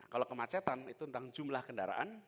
kalau kemacetan itu tentang jumlah kendaraan